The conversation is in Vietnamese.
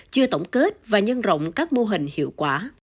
chưa tổng kết và nhân rộng các mô hình hiệu quả